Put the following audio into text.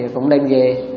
cũng đem về